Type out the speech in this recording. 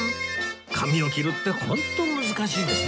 髪を切るってホント難しいですね